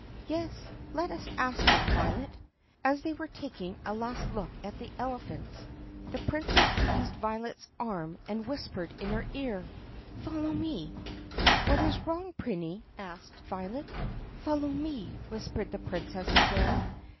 "Yes, let us ask him, Violet." As they were taking a last look at the elephants, the Prin cess seized Violet's arm and whispered in her ear, "Follow me !" "What is wrong, Prinny?" asked Violet. "Follow me!" whispered the Princess again.